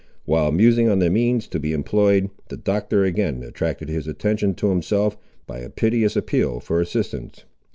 While musing on the means to be employed, the Doctor again attracted his attention to himself, by a piteous appeal for assistance.